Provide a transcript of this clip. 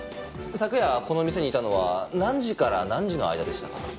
昨夜この店にいたのは何時から何時の間でしたか？